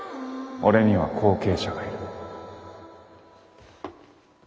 俺には後継者がいる。